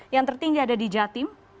yang tertinggi ada di jatim